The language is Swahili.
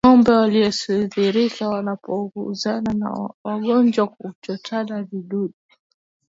Ngombe wasioathirika wanapogusana na wagonjwa huchota vijidudu